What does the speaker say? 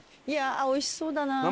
いやあおいしそうだな。